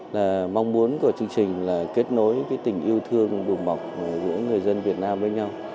là mong muốn của chương trình là kết nối tình yêu thương đùm bọc giữa người dân việt nam với nhau